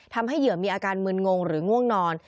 เหยื่อมีอาการมึนงงหรือง่วงนอน